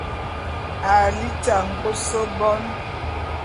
À liti angôs bone.